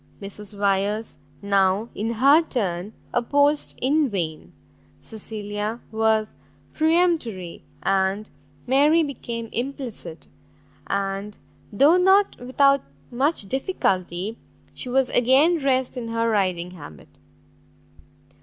Mrs Wyers now in her turn opposed in vain; Cecilia was peremptory, and Mary became implicit, and, though not without much difficulty, she was again dressed in her riding habit.